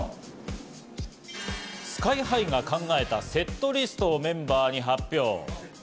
ＳＫＹ−ＨＩが考えたセットリストをメンバーに発表。